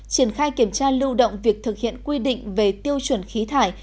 triển khai kiểm tra lưu động việc thực hiện quy định về tiêu chuẩn khí thải